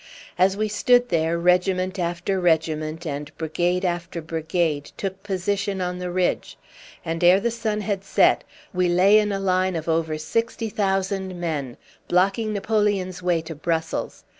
As we stood there, regiment after regiment and brigade after brigade took position on the ridge, and ere the sun had set we lay in a line of over sixty thousand men, blocking Napoleon's way to Brussels.